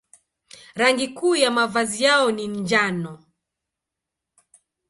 Rangi kuu ya mavazi yao ni njano.